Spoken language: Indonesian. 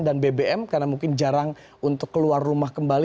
dan bbm karena mungkin jarang untuk keluar rumah kembali